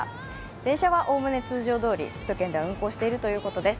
電車はおおむね通常どおり、首都圏では運行しているということです。